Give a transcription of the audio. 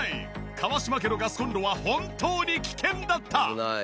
川島家のガスコンロは本当に危険だった！